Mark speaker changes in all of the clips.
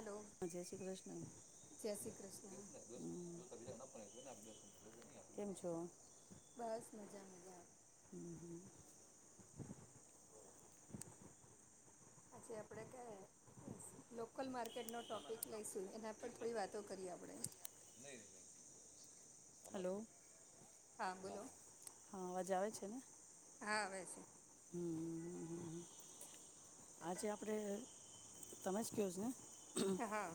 Speaker 1: Hello
Speaker 2: હજય શ્રી કૃષ્ણ
Speaker 1: જય શ્રી કૃષ્ણ
Speaker 2: કેમ છો
Speaker 1: બસ મજા મજા
Speaker 2: હમ હમ.
Speaker 1: આવે છી આપડે કેલ માટ કિકેટનો ટોપિક લઈશું એના પર થોડી વાતો કરી આપણે.
Speaker 2: હલો.
Speaker 1: હા બોલો
Speaker 2: હા અવાજ આવે છે ને
Speaker 1: હા. છે
Speaker 2: હમ હમ હમ હમ. આજે આપડે તમે જ કહો છ ને
Speaker 1: હા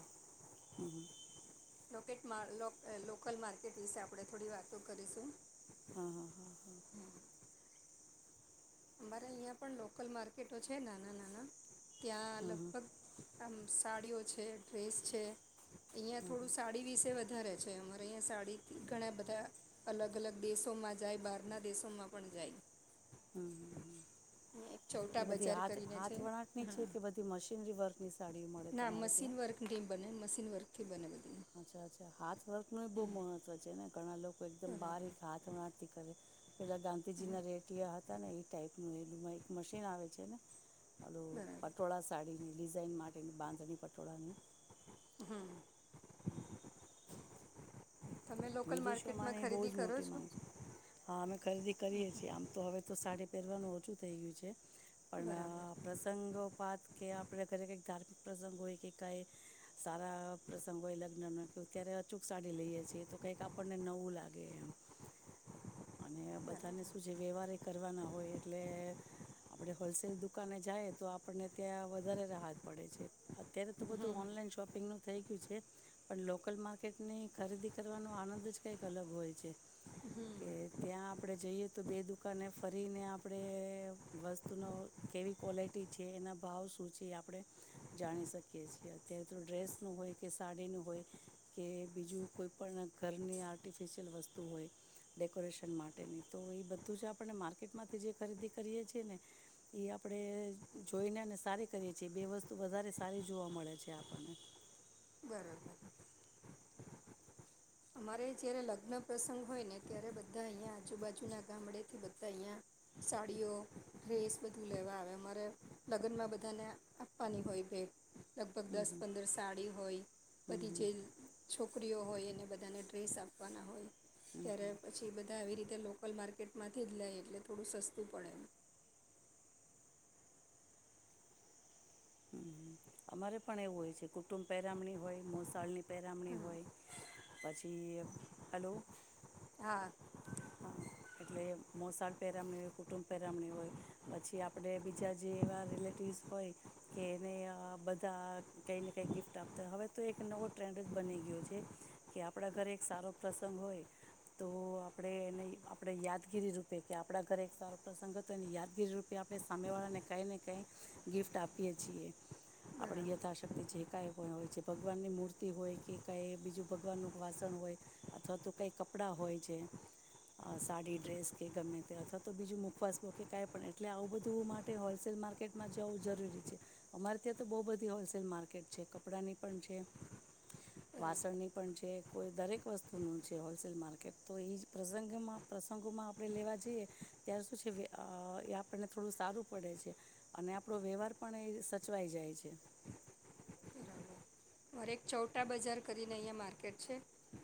Speaker 2: હમ.
Speaker 1: લોકેટ મા લોક લોકલ માર્કેટ વિશે આપણે થોડી વાતો કરીશું.
Speaker 2: હા હા હા.
Speaker 1: અમારે અહં પણ લોકલ માર્કેટો છે નાના નાના ત્યાં
Speaker 2: હમ હમ હમ
Speaker 1: લગભગ આમ સાડીઓ છે ડ્રેસ છે. અહિયાં થોડું સાડી વિસે વધ વધારે છે અમારે અહીંયા સાડીથી ઘણા બધા અલગ અલગ દેશોમાં જાય બહારના દેશોમાં પણ જાય.
Speaker 2: હમ હ હ
Speaker 1: અને એક ચૌટા
Speaker 2: એટલે બધી
Speaker 1: બજાર
Speaker 2: હાથ
Speaker 1: કરીને છે
Speaker 2: હાથ વણાટની છે કે બધી મશીનરી વર્કની સાડીઓ મળે તમારે ત્યાં
Speaker 1: કે બને બધ
Speaker 2: અચ્છા અચ્છા હાથ વ. નુ બવ મહત્વ છે. હાલો. એકદમ
Speaker 1: બરાબર
Speaker 2: બારીક હાથ વ હાથ થી કરે. પેલા ગાંધીજીના રેટિયા હતા ને એ ટાઈપનું એ એક મશીન આવે છે ને અ
Speaker 1: બરાબર
Speaker 2: પટોળા સાડી. અને ડિઝાઇન માટેની બાંધણી પટોળાની
Speaker 1: હુ.
Speaker 2: [inaudible]
Speaker 1: તમે લોકલ
Speaker 2: વિદેશો મા
Speaker 1: માર્કેટમાં
Speaker 2: એ બહુ
Speaker 1: ખરીદી
Speaker 2: જ
Speaker 1: કરો
Speaker 2: મોટી
Speaker 1: છો
Speaker 2: માંગ છે, હા અમે ખરીદી કરીએ છીએ આમ તો હવે તો સાડી પહેરવાનું ઓછું થઈ ગયું છે. પણ
Speaker 1: બરાબર
Speaker 2: પ્રસંગો પાત કે આપણે ઘરે કંઈક ધાર્મિક પ્રસંગ હોય કે કાંઈ, સારા પ્રસંગ હોય લગ્નનો કે ત્યારે અચૂક સાડી લઈએ છીએ, તો કંઈક આપણને નવું લાગે, એમ અને
Speaker 1: બરાબર
Speaker 2: બધાને શું છે વ્યવહાર કરવાના હોય એટલે આપણે હોલસેલ દુકાને જાય તો આપણને ત્યાં વધારે રાહત પડે છે, અત્યારે તો બધું ઓનલાઈન શોપિંગનું થઈ ગયું છે પણ લોકલ માર્કેટની ખરીદી કરવાનો આનંદ જ કંઈક અલગ હોય છે. કે ત્યાં આપણે જઈએ તો બે દુકાને ફરીને આપણે વસ્તુનો કેવી ક્વૉલિટી છે એના ભાવ શું છે એ આપણે, જાણી શકીએ છીએ અત્યારે તો ડ્રેસનું હોય કે સાડીનું હોય, કે બીજું કોઈ પણ ઘરની આર્ટિફિશિયલ વસ્તુ હોય, ડેકોરેશન માટેની તો એ બધું જ આપણે માર્કેટમાંથી જે ખરીદી કરીએ છીએ ને, એ આપણે જોઈને અને સારી કરીએ છીએ બે વસ્તુ વધારે સારી જોવા મળે છે, આપણને
Speaker 1: બરાબર. અમારે જ્યારે લગ્ન પ્રસંગ હોય ને ત્યારે બધા અહીંયા આજુબાજુના ગામડેથી બધા અહીંયા, સાડીઓ ડ્રેસ બધું લેવા આવે અમારે લગ્નમાં બધાને આપવાની હોય ભેટ. લગભગ
Speaker 2: હમ
Speaker 1: દસ
Speaker 2: હમ
Speaker 1: પંદર સાડી હોય.
Speaker 2: હમ
Speaker 1: બધી
Speaker 2: હમ
Speaker 1: જે છોકરીઓ હોય એને બધ બધાને ડ્રેસ આપવાના હોય ત્યારે પછી બધા આવી રીતે લોકલ માર્કેટમાંથી જ લાય એટલે થોડું સસ્તું પડે એમ.
Speaker 2: હમ અમારે પણ એવું હોય છે કુટુંબ પહેરામણી હોય મોસાળની પેરામણી હોય પછી હલો.
Speaker 1: હા.
Speaker 2: હા એટલે મોસાળ પહેરામણી હોય કુટુંબ પહેરામણી હોય પછી આપણે બીજા જે એવા રિલેટિવસ હોય કે એને બધા કંઈ ને કંઈ ગિફ્ટ આપતા હોય હવે તો એક નવો ટ્રેન્ડ જ બની ગયો છે કે આપણા ઘરે એક સારો પ્રસંગ હોય તો આપ આપણે એને આપણે યાદગીરી રૂપે કે આપણા ઘરે એક સારો પ્રસંગ હોયની યાદગીરી રૂપે આપણે સામેવાળાને કાંઈ ને કાંઈ ગિફ્ટ આપીએ છીએ
Speaker 1: બરાબર
Speaker 2: આપણે યથાશક્તિ જે કાઇ હોય છે ભગવાનની મૂર્તિ હોય કે કાંઈ બીજું ભગવાનનું વાસણ હોય અથવા તો કાંઈ કપડાં હોય છે. સાડી ડ્રેસ કે ગમે તે અથવા તો બીજું મુખવાસું કે કઈ પણ એટલે આવું બધું માટે હોલસેલ માર્કેટમાં જવું જરૂરી છે અમારે ત્યાં તો બહુ બધી હોલસેલ માર્કેટ છે કપડાની પણ છે
Speaker 1: બરાબર
Speaker 2: વાસણની પણ છે કોઈ દરેક વસ્તુનું છે હોલસેલ માર્કેટ તો એ જ પ્રસંગમાં પ્રસંગોમાં આપણે લેવા જઈએ ત્યારે શું છે એ આપણને થોડું સારું પડે છે અને આપણો વ્યવહાર પણ એ સચવાઈ જાય છે.
Speaker 1: મારે એક ચોટા બજાર કરીને અહંયા માર્કેટ છે.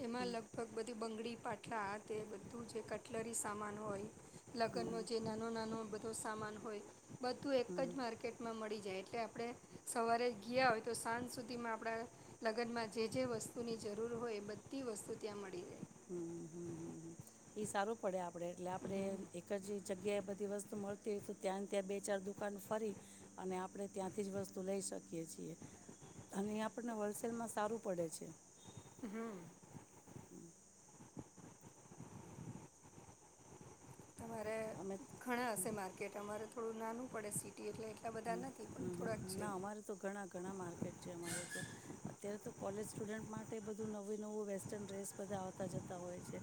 Speaker 1: એમાં
Speaker 2: હં
Speaker 1: લગભગ બધી બંગડી પાટલા તે બધું જે કટલરી સામાન હોય
Speaker 2: હં
Speaker 1: લગન
Speaker 2: હં
Speaker 1: છે નાનું નાનું તો સામાન હોય. બધું એક જ
Speaker 2: હં
Speaker 1: માર્કેટમાં મળી જે એટલે આપણે સવારે ગયા હોય તો સાંજ સુધીમાં આપણા લગ્નમાં જે જે વસ્તુની જરૂર હોય એ બધી વસ્તુ ત્યાં મળી રહે.
Speaker 2: હમ હમ હમ હમ એ સારું પડે આપણેે એટલે આપણે એક જ જગ્યાએ બધી વસ્તુ મળતી હોય તો ત્યાં ત્યાં બે ચાર દુકાન ફરી અને આપણે ત્યાંથી જ વસ્તુ લઈ શકીએ છીએ અને એ આપણને હોલસેલમાં સારું પડે છે.
Speaker 1: તમારે
Speaker 2: અમે.
Speaker 1: ઘણા હશે માર્કેટ અમારે થોડું નાનું પડે સે. એટલે એટલા
Speaker 2: હમ
Speaker 1: બધા નથી
Speaker 2: હમ
Speaker 1: પણ
Speaker 2: હમ
Speaker 1: થોરાક
Speaker 2: હમ
Speaker 1: છે.
Speaker 2: ના અમારે તો ઘણા ઘણા માર્કેટ છે અમારે તો અત્યારે તો કોલેજ સ્ટુડન્ટ માટે બધું નવું નવું વેસ્ટર્ન ડ્રેસ બધા આવતા જતા હોય છે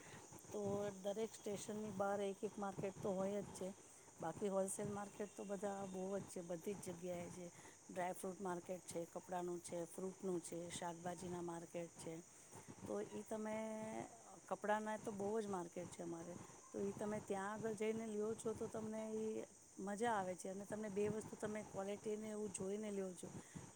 Speaker 2: તો દરેક સ્ટેશનની બહાર એક એક માર્કેટ તો હોય જ છે બાકી હોલસેલ માર્કેટ તો બધા બહુ જ જે બધી જ જગ્યાએ જે ડ્રાયફ્રૂટ માર્કેટ છે કપડાનું છે ફ્રૂટનુંું છે શાકભાજીના માર્કેટ છે તો તમે કપડાના તો બહુ જ માર્કેટ છે અમારે તો તમે ત્યાં આગળ જઈને લઓ છો તો તમને એ મજા આવે છે અને તમને બે વસ્તુ તો તમે ક્વૉલિટીને એવું જોઈને લેવ છો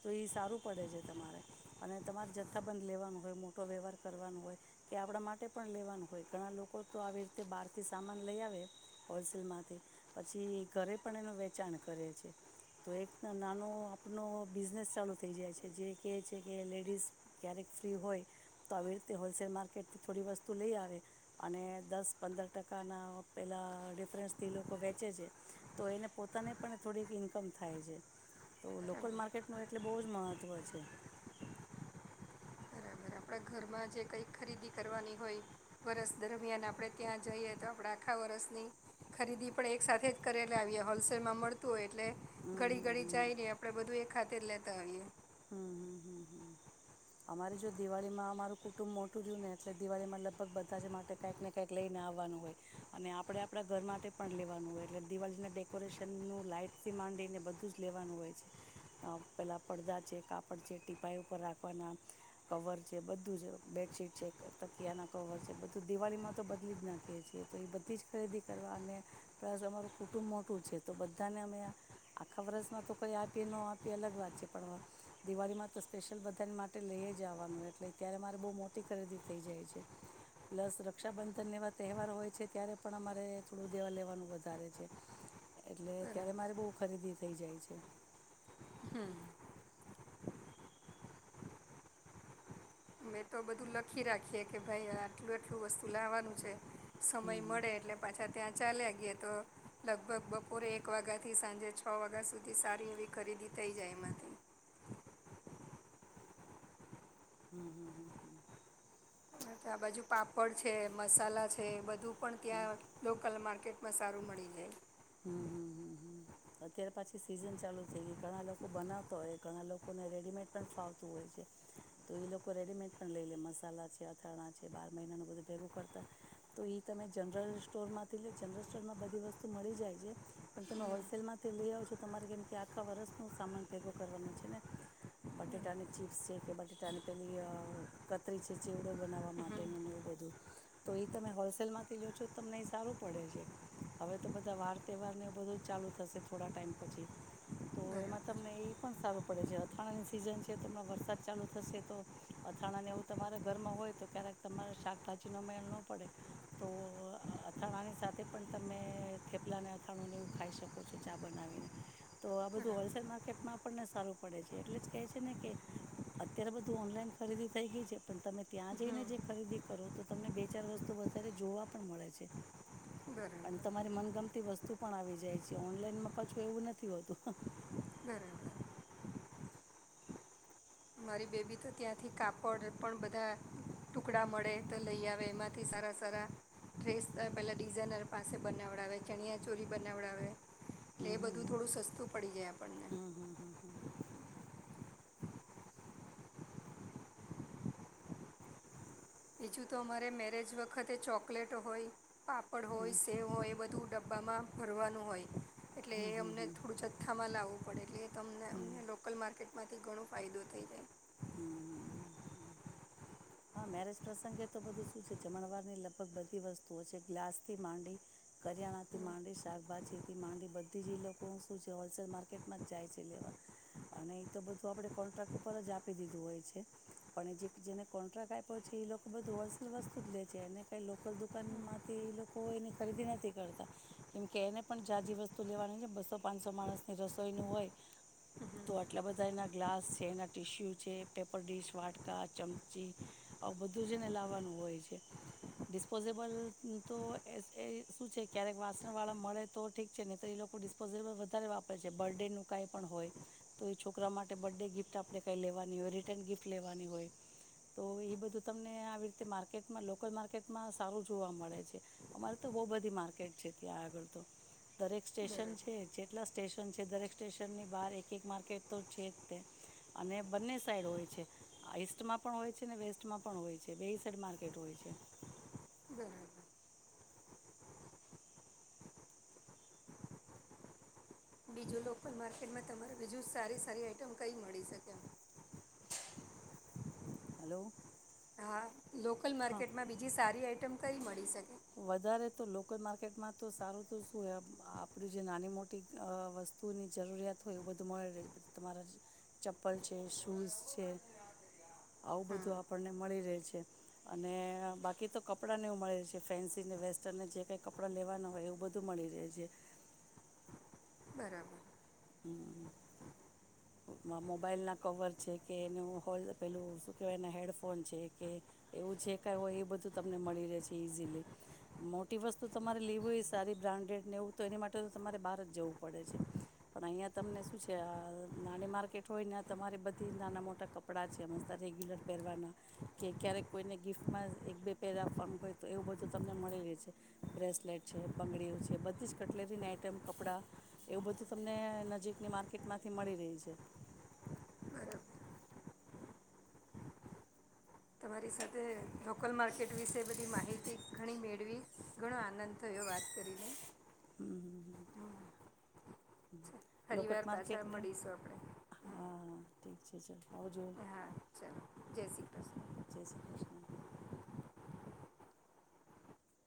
Speaker 2: તો એ સારું પડે છે તમારે અને તમારે જથ્થાબંધ લેવાનું હોય મોટો વ્યવહાર કરવાનો હોય કે આપણા માટે પણ લેવાનું હોય ઘણા લોકો તો આવી રીતે બહારથી સામાન લઈ આવે હોલસેલમાંથી પછી ઘરે પણ એનું વેચાણ કરે છે. તો એક નાનો આપનો બિઝનેસ ચાલુ થઈ જાય છે જે કહે છે કે લેડીઝ ક્યારેક ફ્રી હોય, તો આવી રીતે હોલસેલ માર્કેટથી થોડી વસ્તુ લઈ આવે, અને દસ પંદર ટકાના પેલાં ડિફરન્સથી લોકો વેચે છે, તો એને પોતાને પણ થોડીક ઇન્ક કમ થાય છે તો લોકલ
Speaker 1: બરાબર
Speaker 2: માર્કેટનું એટલે બહુ જ મહત્ત્વ છે.
Speaker 1: આપણા ઘરમાં જે કંઈક ખરીદી કરવાની હોય, વર્ષ દરમિયાન આપણે ત્યાં જઈએ તો આપણે આખા વરસની ખરીદી પણ એક સાથે જ કરેલા આવીએ હોલસેલમાં મળતું હોય એટલે,
Speaker 2: હમ
Speaker 1: ઘડી
Speaker 2: હમ
Speaker 1: ઘડી
Speaker 2: હમ
Speaker 1: જઈને આપણે બધું એક હાથે જ લેતા આવીએ.
Speaker 2: હમ હમ હમ હમ અમારે જો દિવાળીમાં અમારું કુટુંબ મોટું રયું ને એટલે દિવાળીમાં લગભગ બધા જ માટે કાંઈક ને કાંઈક લઈને આવવાનું હોય, અને આપણે આપણા ઘર માટે પણ લેવાનું હોય એટલે દિવાળીના ડેકોરેશનનું લાઈટથી માંડીને બધું જ લેવાનું હોય છે, અહ પેલાં પડદા છે, કાપડ છે ટીપાાઈ ઉપર રાખવાના કવર છે બધું જ, બેડશીટ છે, તકિયાના કવર છે બધું દિવાળીમાં તો બદલી જ નાખીએ છીએ, તો એ બધી જ ખરીદી કરવા અને, પ્લસ અમારું કુટુંબ મોટું છે તો બધાને અમે આખા વર્ષમાં તો કઈ આપીએ ન આપીએ અલગ વાત છે પણ, દિવાળીમાં તો સ્પેશિયલ બધાને મા માટે લઈ જ આવવાનું એટલે ત્યારે મારે બહુ મોટી ખરીદી થઈ જાય છે પ્લસ રક્ષાબંધન એવા તહેવાર હોય છે ત્યારે પણ અમારે થોડું દેવા લેવાનું વધારે છે એટલે ત્યારે
Speaker 1: બરાબર
Speaker 2: મારે બહુ ખરીદી થઈ જાય છે.
Speaker 1: મેં તો બધું લખી રાખીએ કે ભાઈ આટલું એટલું વસ્તુ લાવવાનું છે. સમય
Speaker 2: હમ હમ
Speaker 1: મળે એટલે પાછા ત્યાં ચાલે ગયા તો, લગભગ બપોરે એક વાગ્યાથી સાંજે છ વાગ્યા સુધી સારી એવી ખરીદી થઈ જાય એમાંથી.
Speaker 2: હમ હમ હમ
Speaker 1: તો આ બાજુ પાપડ છે મસાલા છે એ બધું પણ
Speaker 2: હા
Speaker 1: ત્યાં લોકલ માર્કેટમાં સારું મળી જાય.
Speaker 2: હમ હમ હમ હમ અત્ય્યારે પાછી સિઝન ચાલુ થઈ ગઈ ઘણા લોકો બનાવતા હોય ઘણા લોકોને રેડીમેડ પણ ફાવતું હોય છે તો એ લોકો રેડીમેડ પણ લઈ લે મસાલા છે અથાણા છે બાર મહિનાનું બધું ભેગું કરતા તો એ તમે જનરલ સ્ટોર માંથી લે જનરલ સ્ટોરમાં બધી વસ્તુ મળી જાય. પણ તમે હોલસેલમાંથી લઈ આવો છો તમારે કેમ કે આખા વર્ષનો સામાન ભેગો કરવાનું છે ને, બટેટાની ચીપ્સ છે કે બટેટાની પેલી અહ કતરી છે, ચીવડો બનાવવા માટેનુંને એવું બધું, તો એ તમે હોલસેલમાંથી લ્યોછો તમને એ સારું પડે છે, હવે તો બધા વાર તહેવારને એવું બધું જ ચાલુ થશે થોડા ટાઈમ પછી, તો એમાં
Speaker 1: બરાબર
Speaker 2: તમને એ પણ સારું પડે છે. અથાણાની સિઝન છે તો હમણાં વરસાદ ચાલુ થશે તો, અથાણાને એવું તમારા ઘરમાં હોય તો ક્યારેક તમારે શાકભાજીનો મેળ ન પડે, તો અથાણાની સાથે પણ તમેે ફે પેલાંને અથાણુંને એવું ખાઈ શકો છો ચા બનાવીને, તો આ બધું
Speaker 1: બરાબર
Speaker 2: હોલસેલ માર્કેટમાં આપણને સારું પડે છે, એટલે જ કહે છે ને કે અત્યારે બધું ઓનલાઈન ખરીદી થઈ ગઈ છે પણ તમે ત્યાં જઈને જે ખરીદી કરો તો તમને બે ચાર વસ્તુ વધારે જોવા પણ મળે છે, અને
Speaker 1: બરાબર
Speaker 2: તમારી મનગમતી તે વસ્તુ પણ આવી જાય છે ઓનલાઈનમાં પાછું એવું નથી હોતું.
Speaker 1: બરાબર મારી બેબી તો ત્યાંથી કાપડ પણ બધા ટુકડા મળે તો લઈ આવે એમાંથી સારા સારા ડ્રેસ પહેલાં ડિઝાઇનર પાસે બનાવડાવે, ચણિયા ચોળી બનાવડાવે, એટલે એ બધું થોડું સસ્તું પડી જાય આપણને. બીજું તો અમારે મેરેજ વખતે ચોકલેટો હોય. પાપડ હોય, સેવ હોય એ બધું ડબ્બામાં ભરવાનું હોય. એટલે એ અમને થોડું જથ્થામાં લાવું. [unintelligible] તમને અમને લોકલ માર્કેટ માંથી ઘણો ફાયદો થઈ જાય.
Speaker 2: હમ્મ. હા મેરેજ પ્રસંગે તો બધું શું છે જમાડવાની લગભગ બધી વસ્તુઓ છે ગ્લાસ થી માંડી ને કરિયાણા થી માંડી શાકભાજી થી માંડી બધી જ લોકો શું છે હોલસેલ માર્કેટમાં જાય છે, લેવા અને એ તો બધું આપણે કોન્ટ્રાક્ટ ઉપર જ આપી દીધું હોય છે, પણ એ જે જેને કોન્ટ્રાક્ટ આપ્યો છે એ લોકો બધું વસ્તુ વસ્તુ જ લે છે. ને કાંઈ લોકલ દુકાનમાંથી એ લોકો એની ખરીદી નથી કરતા કેમકે એને પણ ઝાઝી વસ્તુ લેવાની છે, બસો પાંચસો માણસની રસોઈનું હોય, તો આટલા બધા એના ગ્લાસ છે એના ટિશ્યુ છે પેપર ડીશ વાટકા ચમ ચી આવું બધું છે. ને લાવવાનું હોય છે, ડિસ્પોઝેબલ તો એ શું છે. ક્યારેક વાસણવાળા મળે તો ઠીક છે. નહી તો એ લોકો ડિસ્પોઝેબલ વધારે વાપરે છે, બર્થ ડેનું કાંઈ પણ હોય તો એ છોકરા માટે બર્થ ડે ગિફ્ટ આપણે કાંઈ લેવાની હોય રિટર્ન ગિફ્ટ લેવાની હોય. તો એ બધું તમને આવી રીતે માર્કેટમાં લોકલ માર્કેટમાં સારું જોવા મળે છે. અમારે તો બો બધી માર્કેટ છે ત્યાં આગળ તો દરેક સ્ટેશન છે જેટલા સ્ટેશન છે દરેક સ્ટેશનની બહાર એક એક માર્કેટ તો છે, જ અને બંને સાઈડ હોય છે ઈસ્ટમાં પણ હોય છે. ને વેસ્ટમાં પણ હોય છે. બે સાઈડ માર્કેટ હોય છે.
Speaker 1: બરાબર બીજું લોકલ માર્કેટમાં તમારે બીજું સારી સારી આઇટમ કઈ મળી શકે એમ.
Speaker 2: હલો.
Speaker 1: હા લોકલ
Speaker 2: હા
Speaker 1: માર્કેટમાં બીજી સારી આઈટમ કઈ મળી શકે.
Speaker 2: વધારે તો લોકલ માર્કેટમાં તો સારું તો શું આપ આપડી જે નાની મોટી અ વસ્તુની જરૂરિયાત હોય એવું બધું મળે રહે છે. તમારા ચપ્પલ છે, શૂઝ છે આવું બધું
Speaker 1: હા
Speaker 2: તો આપણને મળી રહે છે. અને બાકી તો કપડાંને એવું મળે છે. ફેન્સીને વેસ્ટર્નને જે કંઈ કપડાં લેવાના હોય એવું બધું મળી રહે છે.
Speaker 1: બરાબર.
Speaker 2: હ મોબાઈલના કવર છે કે એનું હોલ પેલું શું કહેવાય એને હેડફોન છે. કે એવું છે, કાંઈ હોય એ બધું તમને મળી રહે છે ઇઝીલી. મોટી વસ્તુ તમારે લેવી હોય સારી બ્રાન્ડેડને એવું તો એની માટે તો તમારે બહાર જ જવું પડે છે. અહીંયા તમને શું છે. આ નાની માર્કેટ હોય ને તમારી બધી નાના મોટા કપડાં છે મસ્ત રેગ્યુલર પહેરવાનાં કે ક્યારેક કોઈને ગિફ્ટમાં એક બે પહેરા ફમ હોય તો એવું બધું તમને મળી રહે છે. બ્રેસલેટ છે, બંગડીઓ છે. બધી જ કટલેરીને આઇટમ કપડાં એવું બધું તો તમને નજીકની માર્કેટમાંથી મળી રહી છે.
Speaker 1: બરાબર તમારી સાથે લોકલ માર્કેટ વિશે બધી માહિતી ઘણી મેળવી ઘણો આનંદ થયો વાત કરીને.
Speaker 2: હમ હમ હમ.
Speaker 1: ફરી વાર
Speaker 2: લોકટ
Speaker 1: પાછા
Speaker 2: માર્કેટને
Speaker 1: મળીશું આપડે.
Speaker 2: હા ઠીક છે ચાલ આવજો.
Speaker 1: જય શ્રી કૃષ્ણ.
Speaker 2: જય શ્રી કૃષ્ણ.